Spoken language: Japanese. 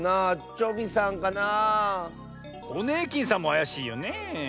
ホネーキンさんもあやしいよねえ。